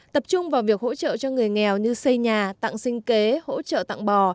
tập trung vào việc hỗ trợ cho người nghèo như xây nhà tặng sinh kế hỗ trợ tặng bò